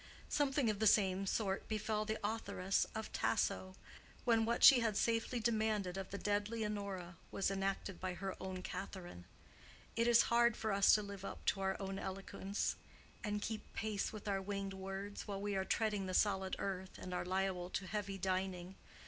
Something of the same sort befell the authoress of "Tasso," when what she had safely demanded of the dead Leonora was enacted by her own Catherine. It is hard for us to live up to our own eloquence, and keep pace with our winged words, while we are treading the solid earth and are liable to heavy dining.